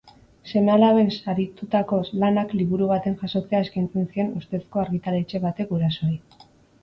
Seme-alaben saritutako lanak liburu baten jasotzea eskaintzen zien ustezko argitaletxe batek gurasoei.